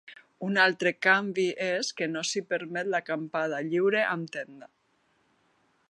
Un altre canvi és que no s’hi permet l’acampada lliure amb tenda.